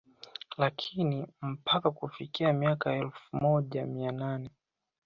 Lakini mpaka kufikia miaka ya elfu moja mia nane